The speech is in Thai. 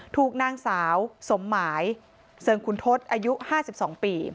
ถูกนางสาวสมหมายเสริงคุณทศอายุ๕๒ปี